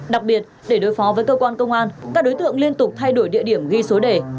đặc biệt để đối phó với cơ quan công an các đối tượng liên tục thay đổi địa điểm ghi số đề